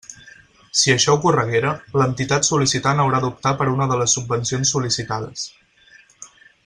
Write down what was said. Si això ocorreguera, l'entitat sol·licitant haurà d'optar per una de les subvencions sol·licitades.